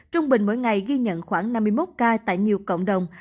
trung bình mỗi ngày ghi nhận khoảng năm mươi một ca tại nhiều cộng đồng